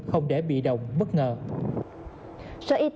không để bị động bất ngờ